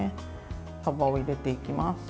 さばを入れていきます。